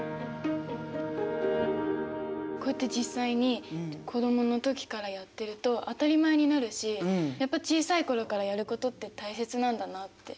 こうやって実際に子どもの時からやってると当たり前になるしやっぱ小さい頃からやることって大切なんだなって。